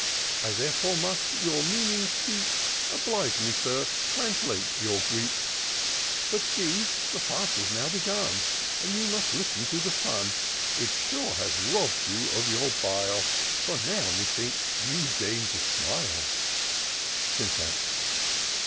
. I therefore must your meaning seek: Oblige me. Sir, translate your Greek* But see, the fiurce is now begun. And you must listen to the fun. It sure has robVd you of your bile ; For now, methinks, you deign to smile." Syntax.